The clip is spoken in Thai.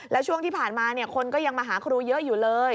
แล้วช่วงที่ผ่านมาคนก็ยังมาหาครูเยอะอยู่เลย